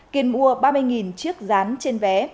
kiên mua ba mươi chiếc rán trên vé